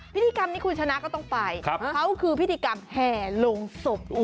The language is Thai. พิธีกรรมนี้คุณชนะก็ต้องไปเขาคือพิธีกรรมแห่ลงศพ